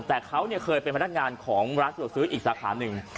แต่เขาเคยเป็นพนักงานของร้านสะดวกซื้ออีกสาขาหนึ่ง